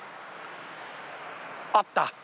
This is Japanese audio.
あった！